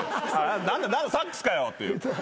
何だサックスかよっていう。